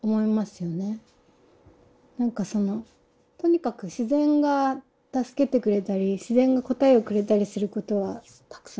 なんかそのとにかく自然が助けてくれたり自然が答えをくれたりすることはたくさんあるし。